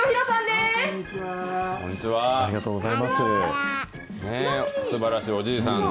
すばらしいおじいさんで。